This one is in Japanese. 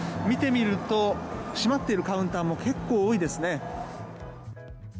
見てみると閉まっているカウンターも結構多いですね。